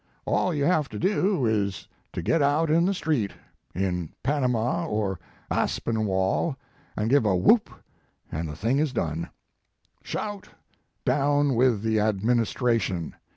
All you have to do is to get out in the street, in Pan ama or Aspinwall, and give a whoop, and the thing is done. Shout, down with the Administration!